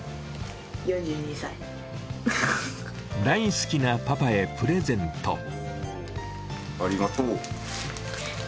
大好きなパパへプレゼント。